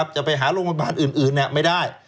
จะไปหาโรงพยาบาลอื่นไม่ได้